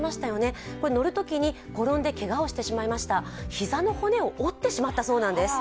膝の骨を折ってしまったそうです。